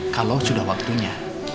kalau sudah waktunya